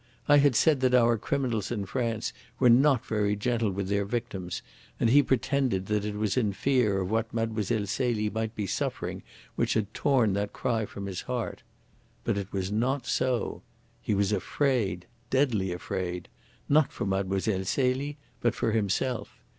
I had said that our criminals in France were not very gentle with their victims, and he pretended that it was in fear of what Mlle. Celie might be suffering which had torn that cry from his heart. But it was not so. He was afraid deadly afraid not for Mlle. Celie, but for himself.